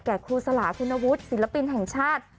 ครูสลาคุณวุฒิศิลปินแห่งชาติ